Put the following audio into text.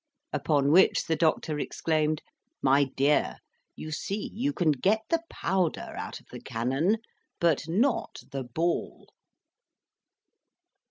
Upon which the doctor exclaimed, "My dear, you see you can get the powder out of the canon, but not the ball."